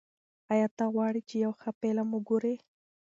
ایا ته غواړې چې یو ښه فلم وګورې؟